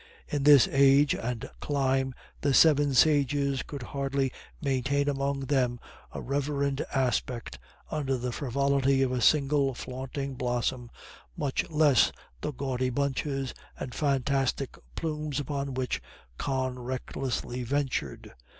In this age and clime the Seven Sages could hardly maintain among them a reverend aspect, under the frivolity of a single flaunting blossom, much less the gaudy bunches and fantastic plumes upon which Con recklessly ventured.